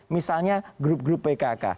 misalnya grup grup pkk